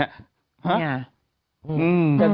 เนี่ย